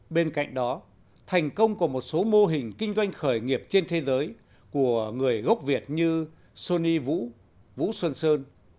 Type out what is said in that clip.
bên cạnh đó thành công của một số mô hình kinh doanh khởi nghiệp trên thế giới của người gốc việt như sony vũ xuân sơn